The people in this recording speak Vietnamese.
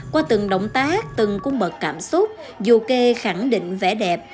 qua từng động tác từng cung bật cảm xúc du ke khẳng định vẻ đẹp